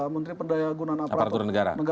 menteri pendayagunan aparatur negara